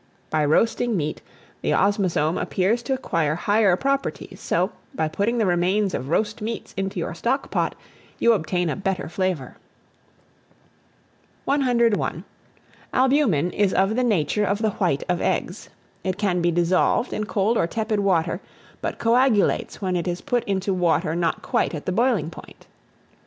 By roasting meat, the osmazome appears to acquire higher properties; so, by putting the remains of roast meats into your stock pot, you obtain a better flavour. 101. ALBUMEN is of the nature of the white of eggs; it can be dissolved in cold or tepid water, but coagulates when it is put into water not quite at the boiling point.